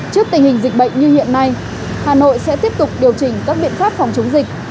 trước tình hình dịch bệnh như hiện nay hà nội sẽ tiếp tục điều chỉnh các biện pháp phòng chống dịch